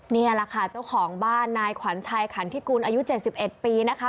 นี่แหละค่ะเจ้าของบ้านนายขวัญชัยขันทิกุลอายุ๗๑ปีนะคะ